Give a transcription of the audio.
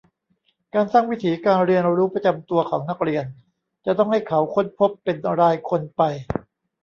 การสร้างวิถีการเรียนรู้ประจำตัวของนักเรียน จะต้องให้เขาค้นพบเป็นรายคนไป